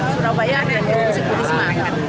surabaya dan risma